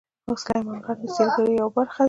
سلیمان غر د سیلګرۍ یوه برخه ده.